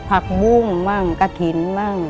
ผักบุ้งบ้างกระถิ่นบ้าง